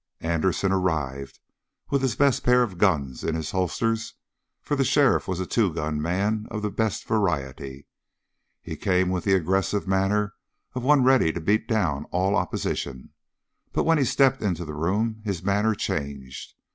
Anderson arrived with his best pair of guns in his holsters, for the sheriff was a two gun man of the best variety. He came with the aggressive manner of one ready to beat down all opposition, but when he stepped into the room, his manner changed.